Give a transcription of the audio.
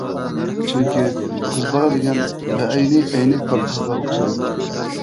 چۈنكى، قىز بالا دېگەن بەئەينى ئەينەك پارچىسىغا ئوخشايدۇ.